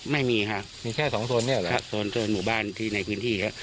ไม่มีค่ะมีแค่สองโซนเนี้ยเหรอค่ะโซนโซนหมู่บ้านที่ในพื้นที่อ่ะ